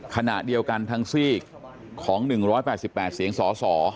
ขณะเดียวกันทางซีกของหนึ่งร้อยแปดสิบแปดเสียงสอสอ